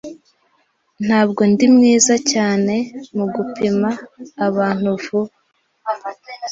Ntabwo ndi mwiza cyane mu gupima abantu vuba.